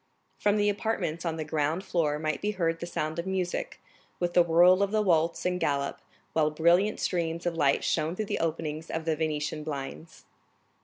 From the apartments on the ground floor might be heard the sound of music, with the whirl of the waltz and galop, while brilliant streams of light shone through the openings of the Venetian blinds.